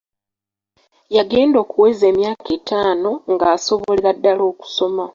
Yagenda okuweza emyaka etaano nga asobolera ddala okusoma.